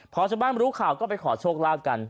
พอชาวบ้านรู้ข่าวก็ไปขอโชคลาภกัน